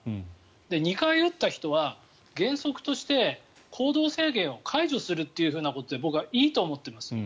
２回打った人は、原則として行動制限を解除するということで僕はいいと思っています。